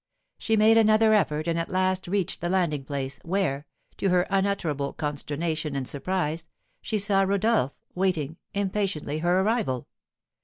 She made another effort, and at last reached the landing place, where, to her unutterable consternation and surprise, she saw Rodolph waiting, impatiently, her arrival.